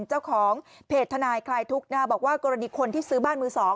เจ้าของเพจทนายคลายทุกข์บอกว่ากรณีคนที่ซื้อบ้านมือ๒